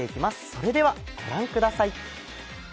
それでは、御覧ください。